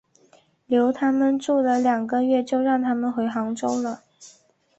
留他们住了两个月就让他们回杭州了。